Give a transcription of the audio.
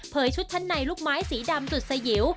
ชุดชั้นในลูกไม้สีดำจุดสยิว